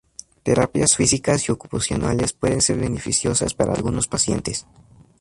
Terapias físicas y ocupacionales pueden ser beneficiosas para algunos pacientes.